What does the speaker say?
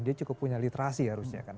dia cukup punya literasi harusnya kan